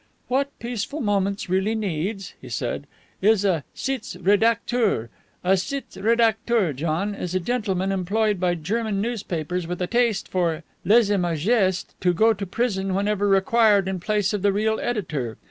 "What Peaceful Moments really needs," he said, "is a sitz redacteur. A sitz redacteur, John, is a gentleman employed by German newspapers with a taste for lese majeste to go to prison whenever required in place of the real editor.